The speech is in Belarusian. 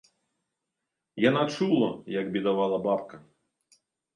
Яна чула, як бедавала бабка.